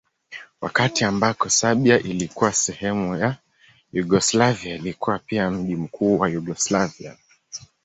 Wakati ambako Serbia ilikuwa sehemu ya Yugoslavia ilikuwa pia mji mkuu wa Yugoslavia.